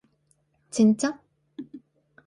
ちんちゃ？